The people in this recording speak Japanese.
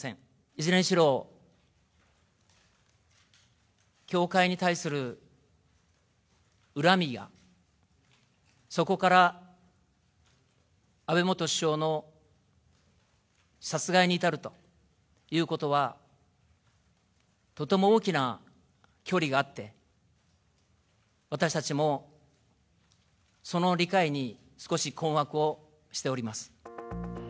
いずれにしろ、教会に対する恨みや、そこから安倍元首相の殺害に至るということは、とても大きな距離があって、私たちもその理解に少し困惑をしております。